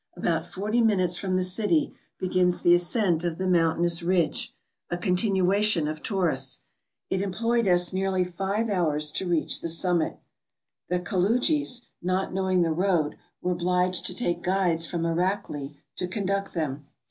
About forty minutes from the city begins the ascent of the mountainous ridge, a continuation of Taurus. It employed us nearly five hours to reach the summit. The Kaludjis, not knowing the road, were obliged to take guides from Erakli to conduct them.